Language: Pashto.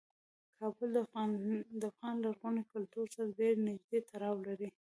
کابل د افغان لرغوني کلتور سره ډیر نږدې تړاو لري.